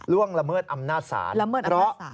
ร่วงละเมิดอำนาจสาร